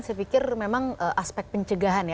saya pikir memang aspek pencegahan ya